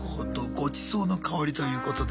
ごちそうの薫りということで。